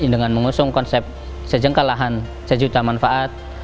dengan mengusung konsep sejengkalahan sejuta manfaat